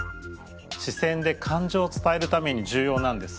視線で感情を伝えるために重要なんです。